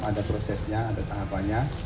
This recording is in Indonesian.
ada prosesnya ada tanggapannya